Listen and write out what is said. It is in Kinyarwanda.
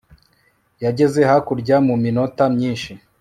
yageze hakurya muminota myinshi